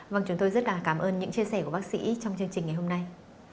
vâng chúng tôi rất là cảm ơn những chia sẻ của bác sĩ trong chương trình ngày hôm nay